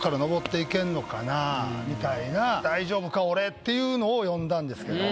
っていうのを詠んだんですけど。